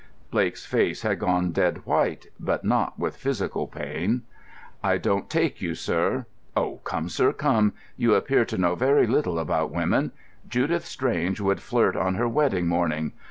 Blake's face had gone dead white, but not with physical pain. "I don't take you, sir." "Oh, come, sir, come. You appear to know very little about women. Judith Strange would flirt on her wedding morning.